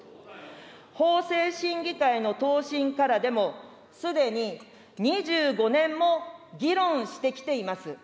法制審議会の答申からでも、すでに２５年も議論してきています。